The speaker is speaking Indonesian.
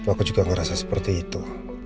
aku juga ngerasa seperti itu